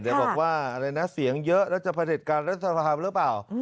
เดี๋ยวบอกว่าอะไรนะเสียงเยอะแล้วจะประเด็จการรัฐสภาหรือเปล่า